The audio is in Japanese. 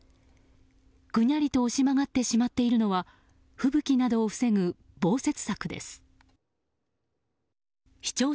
ぐにゃりと押し曲がってしまっているのは吹雪などを防ぐ防雪柵です。